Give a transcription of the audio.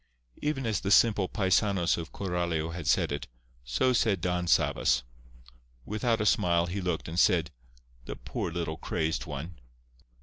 Even as the simple paisanos of Coralio had said it, so said Don Sabas. Without a smile, he looked, and said, "The poor little crazed one!"